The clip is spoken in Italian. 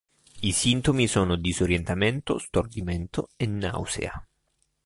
I sintomi sono disorientamento, stordimento e nausea.